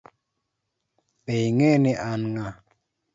Be ing'e ni an ng'a?